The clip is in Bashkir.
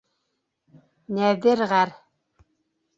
Нәҙер ғәр.